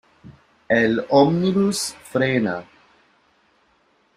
El ómnibus frena.